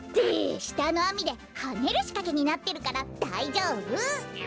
したのあみではねるしかけになってるからだいじょうぶ！